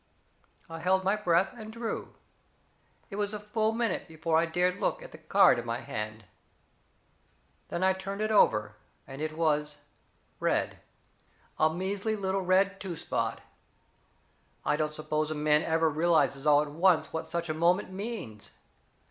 I held my breath, and drew. It was a full minute before I dared look at the card in my hand. Then I turned it over and it was red a measly little red two spot. I don't suppose a man ever realizes all at once what such a moment means.